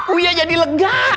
uya jadi lega